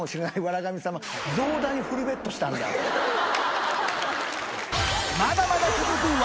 神まだまだ続く、笑